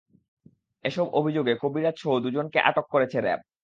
এসব অভিযোগে কবিরাজসহ দুজনকে আটক করেছে র্যাব।